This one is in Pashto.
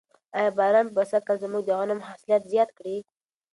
آیا باران به سږکال زموږ د غنمو حاصلات زیات کړي؟